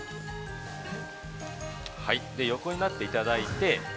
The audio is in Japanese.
横になっていただいて。